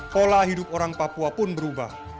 pola hidup orang papua pun berubah